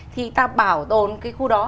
thì ta bảo tồn cái khu đó